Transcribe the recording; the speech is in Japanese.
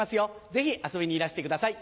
ぜひ遊びにいらしてください。